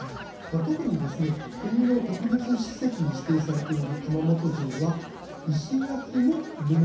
特に国の特別史跡に指定されている熊本城は石垣も文化財です。